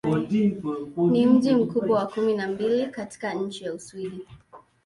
Ni mji mkubwa wa kumi na mbili katika nchi wa Uswidi.